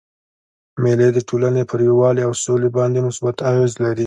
مېلې د ټولني پر یووالي او سولي باندي مثبت اغېز لري.